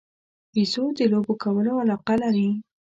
بیزو د لوبو کولو علاقه لري.